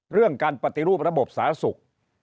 เรื่องการปฏิรูประบบสาธารณสุข